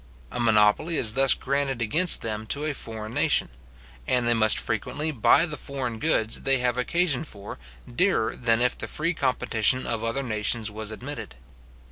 A monopoly is thus granted against them to a foreign nation; and they must frequently buy the foreign goods they have occasion for, dearer than if the free competition of other nations was admitted.